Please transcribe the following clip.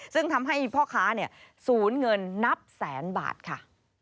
ซึ่งทำให้พ่อค้าสูญเงินนับแสนบาทค่ะ